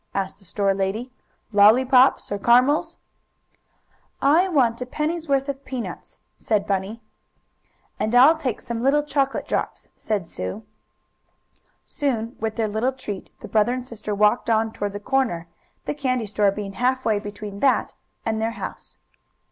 asked the store lady. "Lollypops or caramels?" "I want a penny's worth of peanuts," said Bunny. "And I'll take some little chocolate drops," said Sue. Soon, with their little treat, the brother and sister walked on toward the corner, the candy store being half way between that and their house.